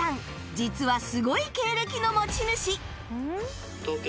実はすごい経歴の持ち主